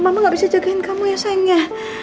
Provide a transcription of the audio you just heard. mama gak bisa jagain kamu ya sayangnya